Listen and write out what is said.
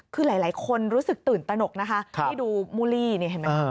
คือหลายคนรู้สึกตื่นตนกนะคะที่ดูมูลลี่นี่เห็นไหม